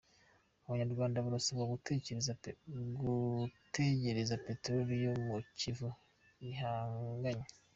Abanyarwanda barasabwa gutegereza Peteroli yo mu Kivu bihanganye